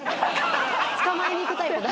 捕まえにいくタイプだ。